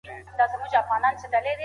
ښه فکر تل ژوند روښانوي